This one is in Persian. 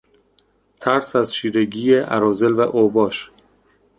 ترس از چیرگی اراذل و اوباش